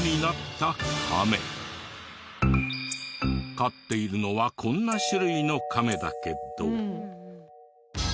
飼っているのはこんな種類のカメだけど。